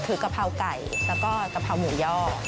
คือกะเพราไก่แล้วก็กะเพราหมูย่อ